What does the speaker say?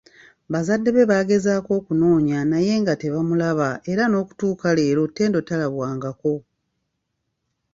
Bazadde be baagezaako okumunoonya naye nga tebamulaba era n'okutuuka leero Ttendo talabwangako.